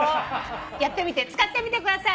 やってみて使ってみてください。